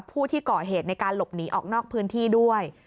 ผู้ที่ก่อเหตุในการหลบหนีออกนอกพื้นที่ด้วย